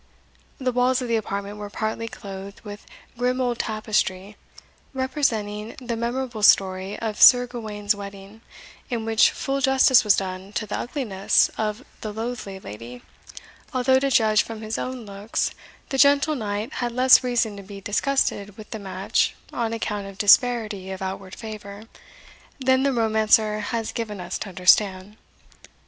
The walls of the apartment were partly clothed with grim old tapestry, representing the memorable story of Sir Gawaine's wedding, in which full justice was done to the ugliness of the Lothely Lady; although, to judge from his own looks, the gentle knight had less reason to be disgusted with the match on account of disparity of outward favour, than the romancer has given us to understand.